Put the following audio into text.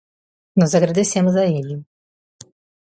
Nós agradecemos a ele